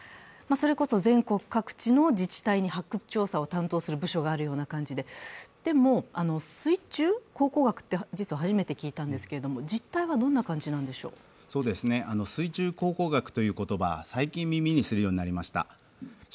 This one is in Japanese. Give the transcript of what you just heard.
それこそ全国各地の自治体に発掘調査を担当する部署があってでも、水中考古学って実は初めて聞いたんですけれども、水中考古学という言葉は最近耳にするようになりました。